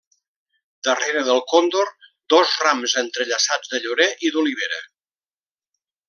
Darrere del còndor, dos rams entrellaçats de llorer i d'olivera.